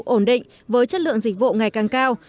ổn định với chất lượng dịch vụ ngày càng cao